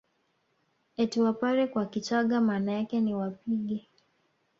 Eti Wapare kwa Kichagga maana yake ni wapige